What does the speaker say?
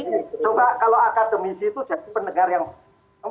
coba kalau akademisi itu jadi pendengar yang